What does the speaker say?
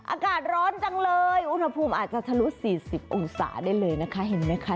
อากาศร้อนจังเลยอุณหภูมิอาจจะทะลุ๔๐องศาได้เลยนะคะเห็นไหมคะ